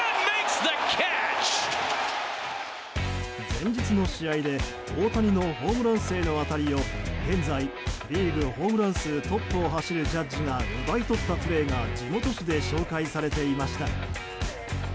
先日の試合で大谷のホームラン性の当たりを現在リーグホームラン数トップを走るジャッジが奪い取ったプレーが地元紙で紹介されていました。